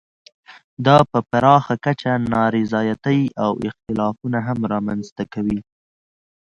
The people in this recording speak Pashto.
دا په پراخه کچه نا رضایتۍ او اختلافونه هم رامنځته کوي.